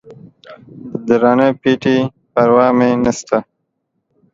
د درانه پېټي پروا مې نسته